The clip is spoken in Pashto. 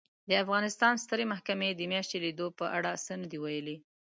د افغانستان سترې محکمې د میاشتې لیدو په اړه څه نه دي ویلي